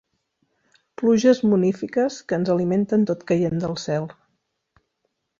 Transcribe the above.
Pluges munífiques que ens alimenten tot caient del cel.